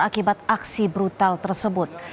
akibat aksi brutal tersebut